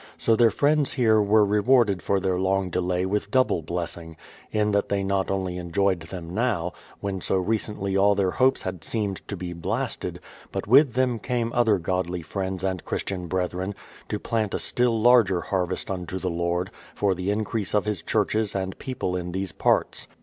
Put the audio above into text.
So their friends here were rewarded for their long delay with double blessing, in that they not only enjoyed them now, when so recently all their hopes had seemed to be blasted ; but with them came other godly friends and Christian brethren, to plant a still larger harvest unto the Lord, for the increase of his churches and people in these parts.